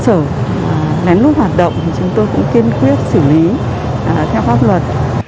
cơ sở nén lút hoạt động chúng tôi cũng kiên quyết xử lý theo pháp luật